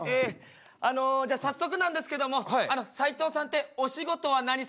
あのじゃあ早速なんですけどもサイトウさんってお仕事は何されてるんですか？